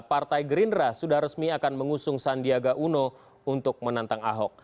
partai gerindra sudah resmi akan mengusung sandiaga uno untuk menantang ahok